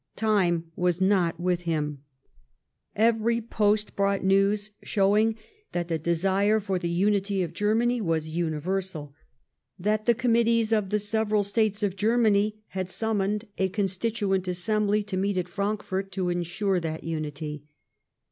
Time was not with him. Every ])ost brought news showing that the desire for the unity of Germany was universal ; that the committees of the several States of Germany had sunnnuned a Constituent Assemblv to meet at Frankfort to ensure that unity.